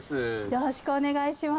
よろしくお願いします。